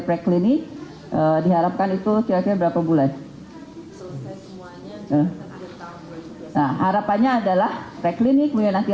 preklinik diharapkan itu kira kira berapa bulan nah harapannya adalah preklinik kemudian nanti